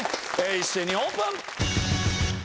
一斉にオープン！